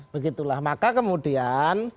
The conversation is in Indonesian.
begitulah maka kemudian